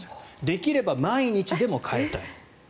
できれば毎日でも替えたい。